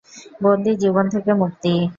বন্দী জীবন থেকে মুক্তি?